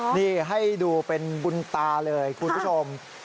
นี่ให้ดูเป็นบุญตาเลยคุณผู้ชม